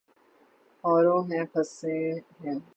اوروہیں پھنسے ہیں۔